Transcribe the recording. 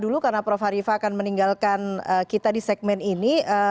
dulu karena prof harifah akan meninggalkan kita di segmen ini